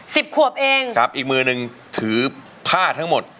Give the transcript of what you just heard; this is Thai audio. สิบขวบเองครับอีกมือหนึ่งถือผ้าทั้งหมด